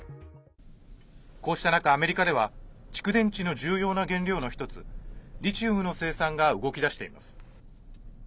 こうした中、アメリカでは蓄電池の重要な原料の１つリチウムの生産が動き出しています。